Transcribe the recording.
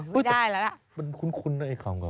มันคุ้นนะอีกครั้งกว่า